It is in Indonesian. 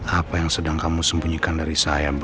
apa yang sedang kamu sembunyikan dari saya